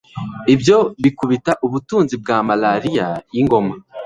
ibyo bikubita ubutunzi bwa malariya yingoma